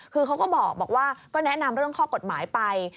คือเขาก็บอกว่าก็แนะนำเรื่องข้อกฎหมายไป